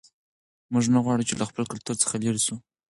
موږ نه غواړو چې له خپل کلتور څخه لیرې سو.